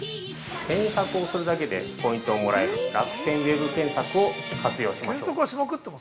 ◆検索をするだけでポイントをもらえる楽天ウェブ検索を活用しましょう。